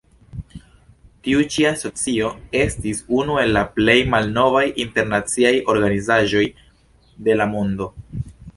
Tiu ĉi asocio estis unu el la plej malnovaj internaciaj organizaĵoj de la mondo.